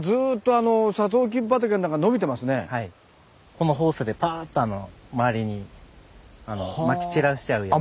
このホースでパーッと周りにまき散らしちゃうような。